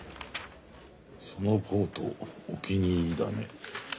「そのコートお気に入りだね」